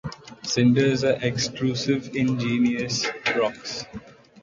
Cinders are extrusive igneous rocks.